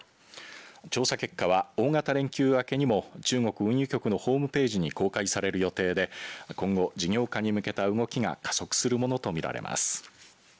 調査結果は大型連休明けにも中国運輸局のホームページに公開される予定で今後事業化に向けた動きが加速するものと見られます。